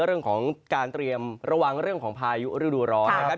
เรื่องของการเตรียมระวังเรื่องของพายุฤดูร้อนนะครับ